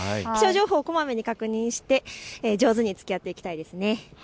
気象情報、こまめに確認して上手につきあっていきたいですね。